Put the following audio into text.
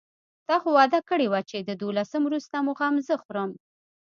تا خو وعده کړې وه چې د دولسم وروسته مو غم زه خورم.